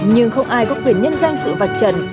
nhưng không ai có quyền nhân danh sự vạch trần